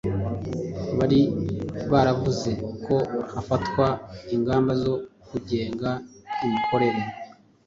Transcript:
bari baravuze ko hafatwa ingamba zo kugenga imikorere